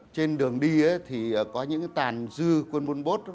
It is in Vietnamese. trên đường đi có những tàn dư quân bốn bốt